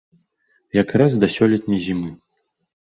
Якраз для сёлетняй зімы!